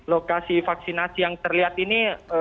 lokasi vaksinasi yang terlihat ini